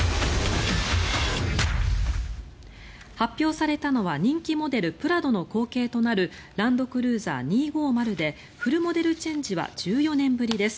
発表されたのは人気モデル、プラドの後継となるランドクルーザー２５０でフルモデルチェンジは１４年ぶりです。